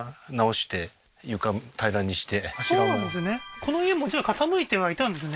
この家もじゃあ傾いてはいたんですね